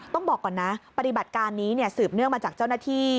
ต้องบอกก่อนนะปฏิบัติการนี้สืบเนื่องมาจากเจ้าหน้าที่